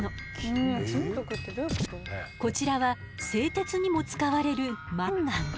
こちらは製鉄にも使われるマンガン。